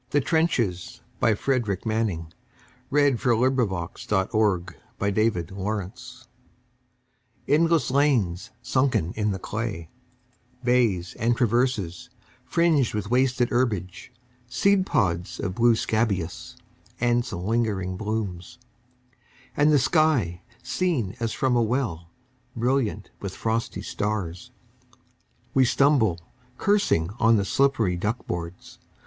One bough of clear promise Across the moon. Frederic Manning THE TRENCHES ENDLESS lanes sunken in the clay, Bays, and traverses, fringed with wasted herbage, Seed pods of blue scabious, and some lingering blooms ; And the sky, seen as from a well, Brilliant with frosty stars. We stumble, cursing, on the slippery duck boards.